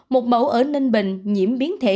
một mẫu ở ninh bình nhiễm biến thể